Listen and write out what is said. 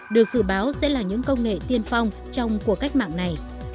được dự báo sẽ là những công nghệ tiên phong trong cuộc cách mạng này